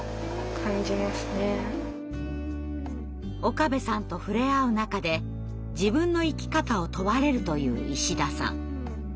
岡部さんと触れ合う中で自分の生き方を問われるという石田さん。